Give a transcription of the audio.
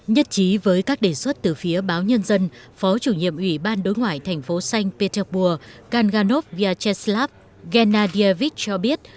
nhất chí với các đề xuất từ phía báo nhân dân phó chủ nhiệm ủy ban đối ngoại thành phố sành pê tec pua kanganov vyacheslav gennadievich cho biết